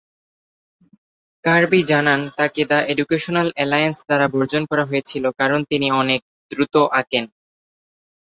কার্বি জানান তাকে the Educational Alliance দ্বারা বর্জন করা হয়েছিল কারণ তিনি অনেক দ্রুত আঁকেন।